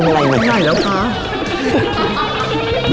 ไม่ไหวแล้วคะ